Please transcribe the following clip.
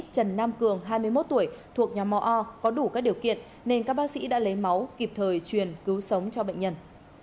trần nam cường hai mươi một tuổi thuộc nhóm mò o có đủ các điều kiện nên các bác sĩ đã lấy máu kịp thời truyền cứu sống cho bệnh nhân